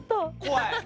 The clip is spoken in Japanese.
怖い。